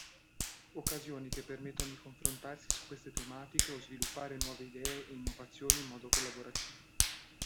Occasioni che permettano di confrontarsi su queste tematiche o sviluppare nuove idee e innovazioni in modo collaborativo.